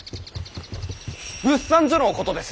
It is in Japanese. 物産所のことです。